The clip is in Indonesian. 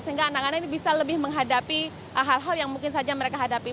sehingga anak anak ini bisa lebih menghadapi hal hal yang mungkin saja mereka hadapi